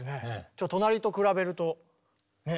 ちょっと隣と比べるとね。